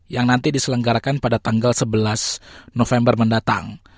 yang nanti diselenggarakan pada tanggal sebelas november mendatang